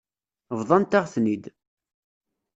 Bḍant-aɣ-ten-id.